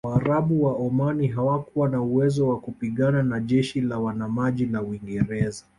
Waarabu wa Omani hawakuwa na uwezo wa kupingana na jeshi la wanamaji la Uingereza